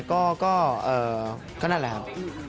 อันนี้ก็เอ่อก็นั่นแหละครับ